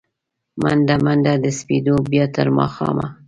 مڼډه، منډه د سپېدو، بیا تر ماښامه